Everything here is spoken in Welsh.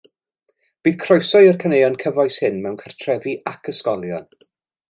Bydd croeso i'r caneuon cyfoes hyn mewn cartrefi ac ysgolion.